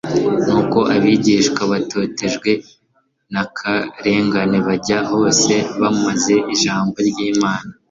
"Nuko abigishwa batotejwe n'akarengane bajya hose bamamaza ijambo ry'Imana'."